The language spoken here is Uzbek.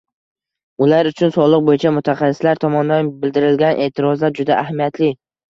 Ular uchun soliq boʻyicha mutaxassislar tomonidan bildirilgan eʼtirozlar juda ahamiyatli.